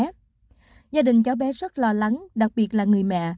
gia đình cháu bé rất lo lắng đặc biệt là người mẹ